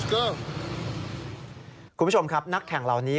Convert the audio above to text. คุณผู้ชมครับนักแข่งเหล่านี้